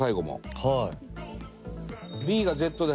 はい。